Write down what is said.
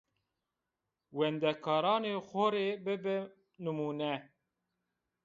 Wendekaranê xo rê bibê nimûne